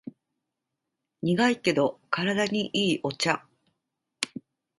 苦いけど体にいいお茶